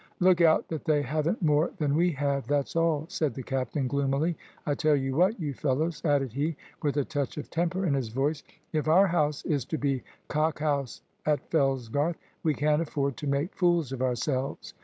"Look out that they haven't more than we have, that's all," said the captain, gloomily. "I tell you what, you fellows," added he, with a touch of temper in his voice, "if our house is to be Cock House at Fellsgarth, we can't afford to make fools of ourselves.